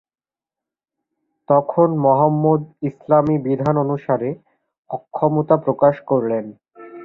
তখন মুহাম্মাদ ইসলামী বিধান অনুসারে অক্ষমতা প্রকাশ করলেন।